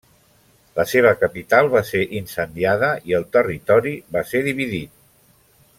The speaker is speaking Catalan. La seva capital va ser incendiada i el territori va ser dividit.